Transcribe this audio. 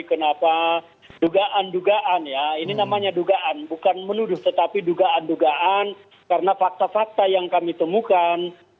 kenapa dugaan dugaan ya ini namanya dugaan bukan menuduh tetapi dugaan dugaan karena fakta fakta yang kami temukan